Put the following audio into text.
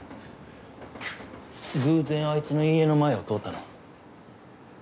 偶然あいつの家の前を通ったの？